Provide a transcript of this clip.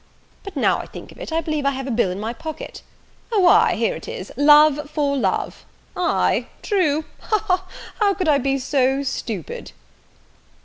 But, now I think of it, I believe I have a bill in my pocket; O, ay, here it is Love for Love, ay, true, ha, ha! how could I be so stupid!"